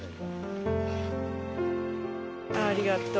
ああありがとう！